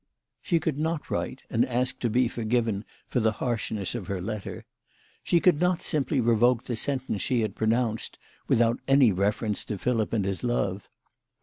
She could not write and ask to be for given for the harshness of her letter. She could not simply revoke the sentence she had pronounced without any reference to Philip and his love.